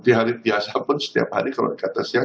di hari biasa pun setiap hari kalau di kata siang